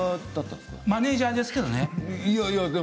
マネージャーですけどね。